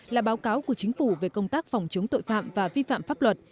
là báo cáo của chính phủ về công tác phòng chống tội phạm và vi phạm pháp luật